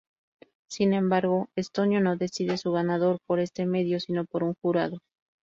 Sin embargo, Estonia no decide su ganador por este medio, sino por un jurado.